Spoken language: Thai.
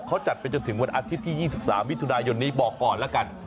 เขาจัดไปจนถึงวันอาทิตย์ที่๒๓มิถุนายนนี้บอกก่อนแล้วกัน